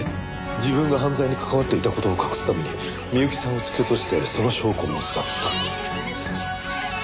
自分が犯罪に関わっていた事を隠すために美由紀さんを突き落としてその証拠を持ち去った。